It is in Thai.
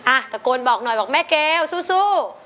ตะโกนบอกหน่อยบอกแม่เกลสู้